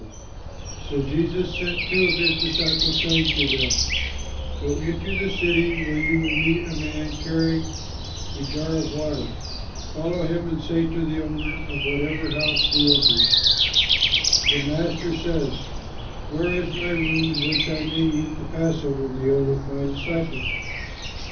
[Illustration: The Last Supper] So Jesus sent two of his disciples, saying to them, "Go into the city, where you will meet a man carrying a jar of water. Follow him and say to the owner of whatever house he enters, 'The Master says, Where is my room in which I may eat the passover meal with my disciples?'